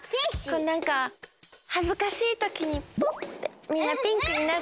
こうなんかはずかしいときにポッてみんなピンクになる。